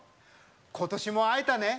今年も会えたね！